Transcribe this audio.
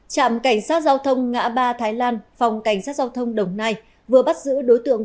trạm cảnh sát giao thông ngã ba thái lan phòng cảnh sát giao thông đồng nai vừa bắt giữ đối tượng